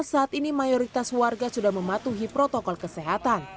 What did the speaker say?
saat ini mayoritas warga sudah mematuhi protokol kesehatan